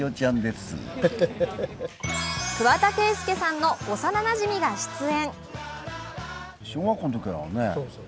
桑田佳祐さんの幼なじみが出演。